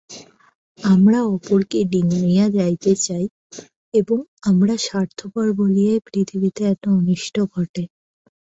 আমরা অপরকে ডিঙাইয়া যাইতে চাই এবং আমরা স্বার্থপর বলিয়াই পৃথিবীতে এত অনিষ্ট ঘটে।